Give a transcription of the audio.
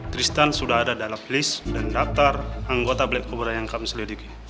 tristan sudah ada dalam list dan daftar anggota black kuburan yang kami selidiki